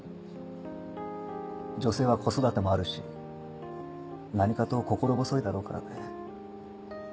女性は子育てもあるし何かと心細いだろうからね。